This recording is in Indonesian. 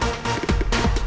kamu sudah jauh lagi